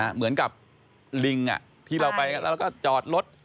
เหมือนกับลิงที่เราไปแล้วก็จอดรถ